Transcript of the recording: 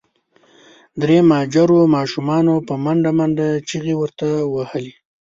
درې مهاجرو ماشومانو په منډه منډه چیغي ورته وهلې.